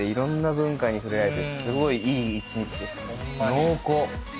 濃厚！